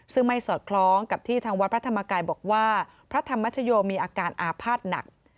ซึ่งไม่สอดคล้องกับที่ทางวัดพระธรรมกายบอกว่าพระธรรมชโยมีอาการอาภาษณ์หนัก